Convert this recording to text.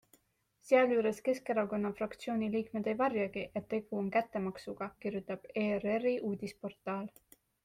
Sealjuures Keskerakonna fraktsiooni liikmed ei varjagi, et tegu on kättemaksuga, kirjutab ERRi uudisportaal.